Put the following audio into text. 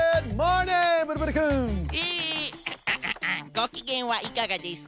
ごきげんはいかがですか？